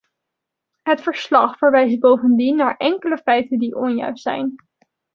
Het verslag verwijst bovendien naar enkele feiten die onjuist zijn.